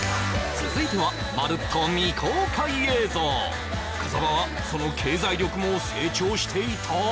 続いてはまるっと未公開映像深澤はその経済力も成長していた！？